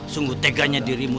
sungguh teganya dirimu